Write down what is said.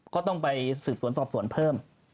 ก็ต้องไปสืบสวนสอบสวนเพิ่ม